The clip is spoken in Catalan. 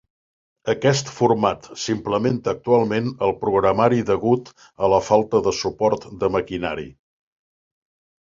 Aquest format s'implementa actualment al programari degut a la falta de suport de maquinari.